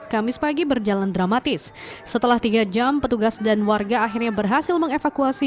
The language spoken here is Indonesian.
kamis pagi berjalan dramatis setelah tiga jam petugas dan warga akhirnya berhasil mengevakuasi